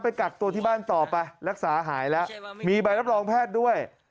กักตัวที่บ้านต่อไปรักษาหายแล้วมีใบรับรองแพทย์ด้วย